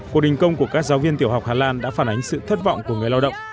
cuộc đình công của các giáo viên tiểu học hà lan đã phản ánh sự thất vọng của người lao động